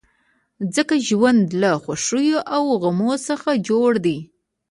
ځکه ژوند له خوښیو او غمو څخه جوړ دی.